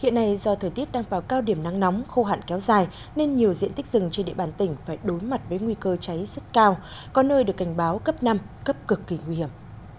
hiện nay do thời tiết đang vào cao điểm nắng nóng khô hạn kéo dài nên nhiều diện tích rừng trên địa bàn tỉnh phải đối mặt với nguy cơ cháy rất cao có nơi được cảnh báo cấp năm cấp cực kỳ nguy hiểm